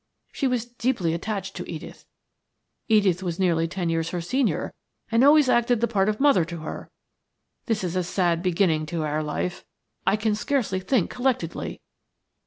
She was deeply attached to Edith. Edith was nearly ten years her senior, and always acted the part of mother to her. This is a sad beginning to our life. I can scarcely think collectedly."